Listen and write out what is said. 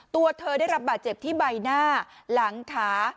ตัวเธอได้รับบาดเจ็บที่ใบหน้าหลังขา